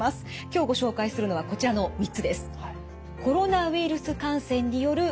今日ご紹介するのはこちらの３つです。